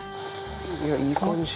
いやいい感じ？